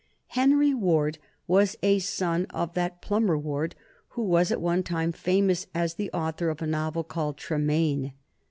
Henry Ward was a son of that Plumer Ward who was at one time famous as the author of a novel called "Tremaine."